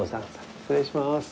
失礼します。